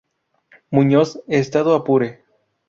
Muñoz, Estado Apure.